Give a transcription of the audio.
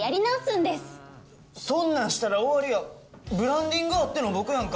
そんなんしたら終わりやブランディングあっての僕やんか